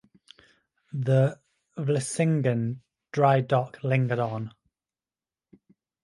The Vlissingen dry dock lingered on.